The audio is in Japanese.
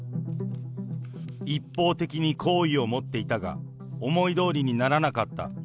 一方的に好意を持っていたが、思いどおりにならなかった。